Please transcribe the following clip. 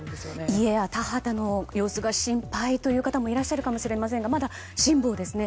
家や田畑の様子が心配という方もいらっしゃるかもしれませんがまだ、辛抱ですね。